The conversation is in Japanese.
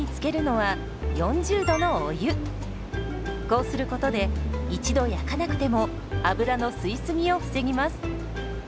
こうすることで一度焼かなくても油の吸い過ぎを防ぎます。